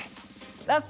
ラスト。